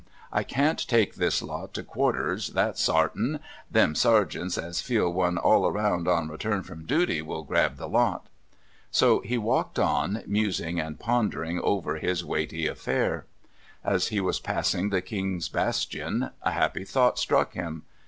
I can't take this lot to quarters, that's sartin! Them sergeants, as feel one all round on return from duty, will grab the lot." So he walked on, musing and pondering over his weighty affair. As he was passing the King's Bastion a happy thought struck him.